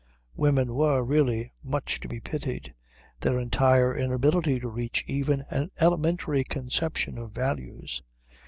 Women were really much to be pitied. Their entire inability to reach even an elementary conception of values...